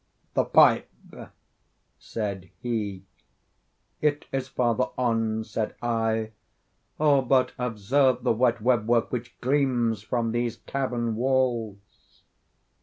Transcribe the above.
"The pipe," said he. "It is farther on," said I; "but observe the white web work which gleams from these cavern walls."